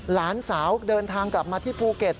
หลานสาวเดินทางกลับมาที่ภูเก็ต